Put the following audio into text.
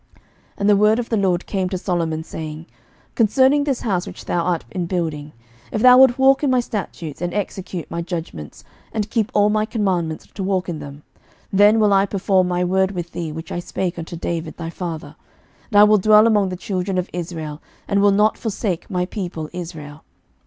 11:006:011 And the word of the LORD came to Solomon, saying, 11:006:012 Concerning this house which thou art in building, if thou wilt walk in my statutes, and execute my judgments, and keep all my commandments to walk in them; then will I perform my word with thee, which I spake unto David thy father: 11:006:013 And I will dwell among the children of Israel, and will not forsake my people Israel.